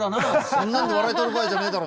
「そんなんで笑い取る場合じゃねえだろ」。